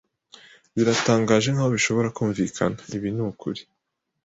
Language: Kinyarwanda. Biratangaje nkaho bishobora kumvikana, ibi nukuri.